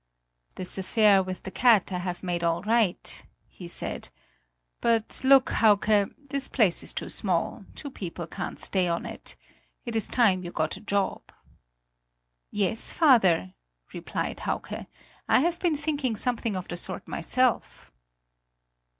"This affair with the cat I have made all right," he said, "but look, Hauke, this place is too small; two people can't stay on it it is time you got a job!" "Yes, father," replied Hauke; "I have been thinking something of the sort myself."